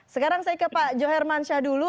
sekarang saya ke pak joherman syah dulu